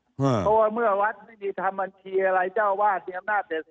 เพราะว่าเมื่อวัดไม่มีทำบัญชีอะไรเจ้าวาดมีอำนาจเสร็จ